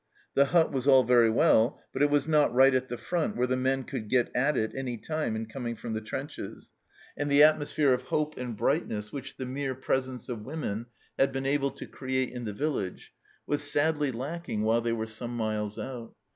The hut was all very well, but it was not right at the front where the men could get at it any time in coming from the trenches, and the atmosphere of hope and brightness which the mere presence of women had been able to create in the village, was sadly lacking while they were some miles out.